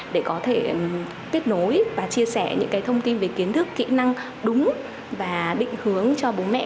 để có thể kết nối và chia sẻ những thông tin về kiến thức kỹ năng đúng và định hướng cho bố mẹ